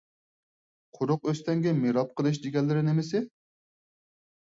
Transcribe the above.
قۇرۇق ئۆستەڭگە مىراب قىلىش دېگەنلىرى نېمىسى؟